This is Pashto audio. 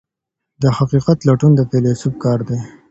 د حقیقت لټون د فیلسوف کار دی.